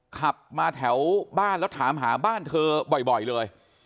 ขับมาแถวบ้านแล้วถามหาบ้านเธอบ่อยเลย